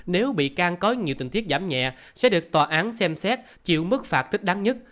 nếu bị can có nhiều tình tiết giảm nhẹ sẽ được tòa án xem xét chịu mức phạt thích đáng nhất